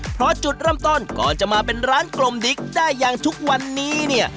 เพราะจุดเริ่มต้นก่อนจะมาเป็นร้านกลมดิ๊กได้อย่างทุกวันนี้เนี่ย